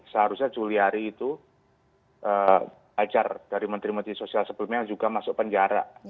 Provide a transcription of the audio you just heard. seharusnya juliari itu ajar dari menteri menteri sosial sebelumnya juga masuk penjara